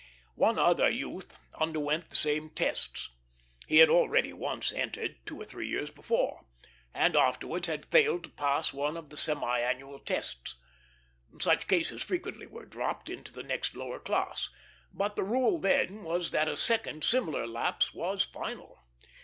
One other youth underwent the same tests. He had already once entered, two or three years before, and afterwards had failed to pass one of the semi annual tests. Such cases frequently were dropped into the next lower class, but the rule then was that a second similar lapse was final.